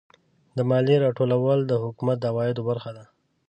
د مالیې راټولول د حکومت د عوایدو برخه ده.